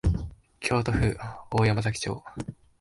京都府大山崎町